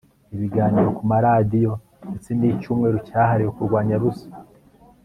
ibiganiro ku maradiyo ndetse n'icyumweru cyahariwe kurwanya ruswa